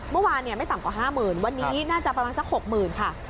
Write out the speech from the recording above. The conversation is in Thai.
เมื่อวานไม่ต่ำกว่า๕๐๐๐วันนี้น่าจะประมาณสัก๖๐๐๐ค่ะ